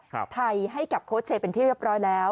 ครับไทยให้กับโคไเชมม์เป็นทีเรียบร้อยแล้ว